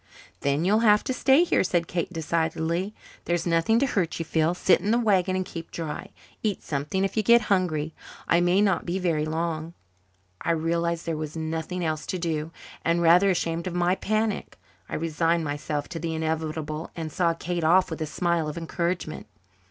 "Then you'll have to stay here," said Kate decidedly. "There's nothing to hurt you, Phil. Sit in the wagon and keep dry. Eat something if you get hungry. I may not be very long." I realized that there was nothing else to do; and, rather ashamed of my panic, I resigned myself to the inevitable and saw Kate off with a smile of encouragement.